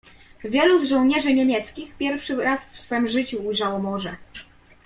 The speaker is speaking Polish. "Wielu z żołnierzy niemieckich pierwszy raz ujrzało w swem życiu morze."